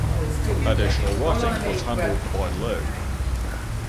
Additional writing was handled by Lo.